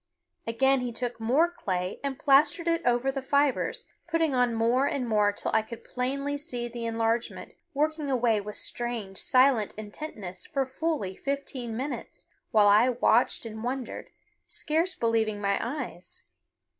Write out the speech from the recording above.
Again he took more clay and plastered it over the fibers, putting on more and more till I could plainly see the enlargement, working away with strange, silent intentness for fully fifteen minutes, while I watched and wondered, scarce believing my eyes.